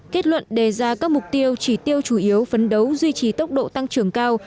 kết luận đề ra các mục tiêu chỉ tiêu chủ yếu phấn đấu duy trì tốc độ tăng trưởng cao